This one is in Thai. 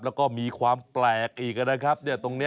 แล้วก็มีความแปลกอีกนะครับ